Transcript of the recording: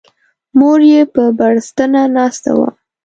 مور یې په بړستنه ناسته وه.